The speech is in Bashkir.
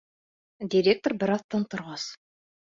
Директор бер аҙ тын торғас: